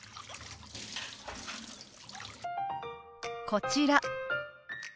こちら。